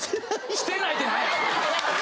「してない」ってなんや！